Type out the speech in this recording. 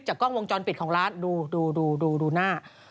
กล้องวงจรปิดของร้านดูดูหน้า